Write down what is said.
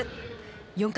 ４回。